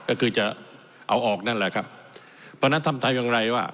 ก็คือจะเอาออกนั่นแหละครับพนะทำไทยว่า